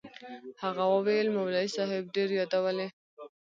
هغه وويل مولوي صاحب ډېر يادولې.